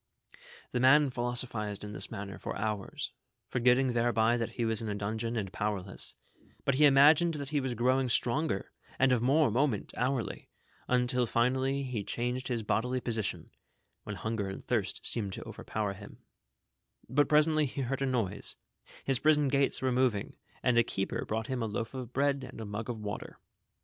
The man philosophized in this manner for hours, for getting thereby tliat he was in a dungeon and powerless ; but he imagined that he was growing stronger and of more moment hourly, until linally he changed his bodily position, wlien hunger and thirst seemed to overpower him ; but presently he heard a noise, his prison gates were moving, and a keeper brought him a loaf of bread and a mug of water.